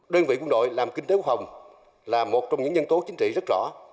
đơn vị quân đội làm kinh tế quốc phòng là một trong những nhân tố chính trị rất rõ